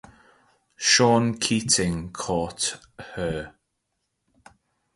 Sean Keating taught her portraiture.